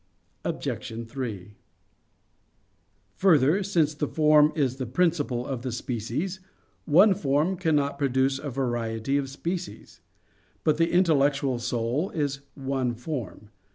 Obj. 3: Further, since the form is the principle of the species, one form cannot produce a variety of species. But the intellectual soul is one form.